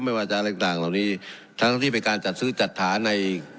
ไม่ว่าจะอะไรต่างเหล่านี้ทั้งที่เป็นการจัดซื้อจัดหาใน